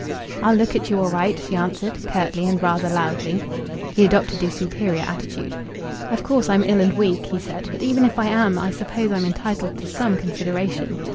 "I'll look at you all right," she answered, curtly and rather loudly. He adopted a superior attitude. "Of course I'm ill and weak," he said, "but even if I am I suppose I'm entitled to some consideration."